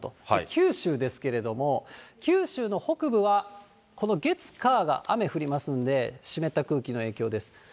九州ですけれども、九州の北部はこの月、火が雨降りますんで、湿った空気の影響です。